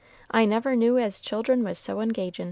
I never knew as children was so engagin'!"